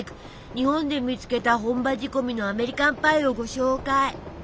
日本で見つけた本場仕込みのアメリカンパイをご紹介。